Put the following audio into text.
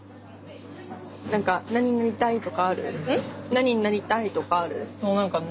何になりたいとかある？